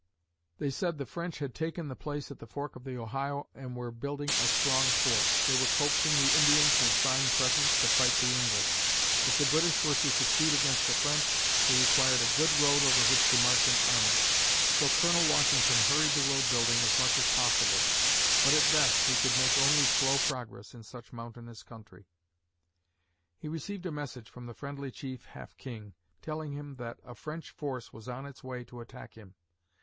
They said the French had taken the place at the fork of the Ohio and were building a strong fort. They were coaxing the Indians, with fine presents, to fight the English. If the British were to succeed against the French, they required a good road over which to march an army. So Colonel Washington hurried the road building as much as possible, but at best he could make only slow progress in such mountainous country. He received a message from the friendly chief Half King, telling him that a French force was on its way to attack him.